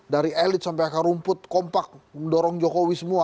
dari elit sampai akar rumput kompak mendorong jokowi semua